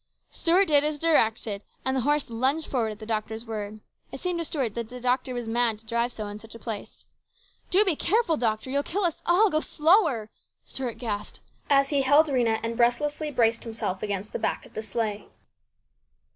Stuart did as directed, and the horse lunged forward at the doctor's word. It seemed to Stuart that the doctor was mad to drive so in such a place. " Do be careful, doctor ! You'll kill us all ! Go slower!" Stuart gasped, as he held Rhena and breathlessly braced himself against the back of the sleigh.